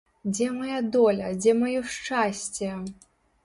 Дзе мая доля, дзе маё шчасце?